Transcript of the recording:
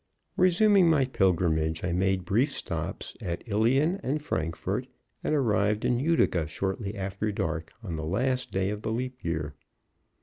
Resuming my pilgrimage, I made brief stops at Ilion and Frankfort, and arrived in Utica shortly after dark on the last day of the leap year.